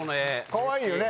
かわいいよね。